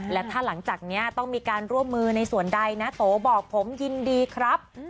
และถ้าหลังจากนี้ต้องมีการร่วมมือในส่วนใดนะโตบอกผมยินดีครับ